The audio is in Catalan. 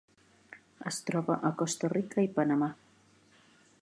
Es troba a Costa Rica i Panamà.